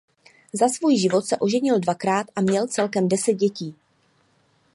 Za svůj život se oženil dvakrát a měl celkem deset dětí.